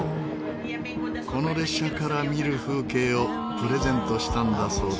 この列車から見る風景をプレゼントしたんだそうです。